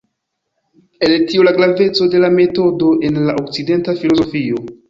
El tio la graveco de la metodo en la okcidenta filozofio.